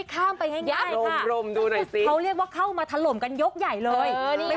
เขาเรียกว่าเข้ามาทะลมกันยกใหญ่เลย